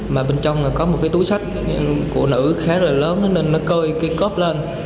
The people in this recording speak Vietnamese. mà bên trong có một túi sách của nữ khá là lớn nên nó cơi cây cốp lên